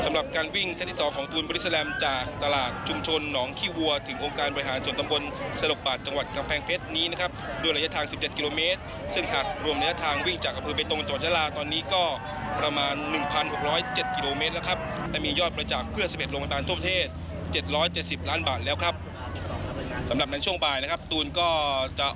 สำหรับการวิ่งเซ็ทที่๒ของตูนบริษลัมจากตลาดชุมชนหนองขี้วัวถึงองค์การบริหารส่วนตำบลเซลกบาทจังหวัดกำแพงเพชรนี้นะครับด้วยระยะทาง๑๗กิโลเมตรซึ่งหากรวมระยะทางวิ่งจากกระพือเบนตรงจอดชะลาตอนนี้ก็ประมาณ๑๖๐๗กิโลเมตรแล้วครับและมียอดไปจากเพื่อเสพ็ดโรงพยาบาลประเทศ๗๗๐ล้านบา